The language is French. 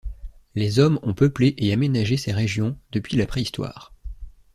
Les Hommes ont peuplé et aménagé ces régions depuis la Préhistoire.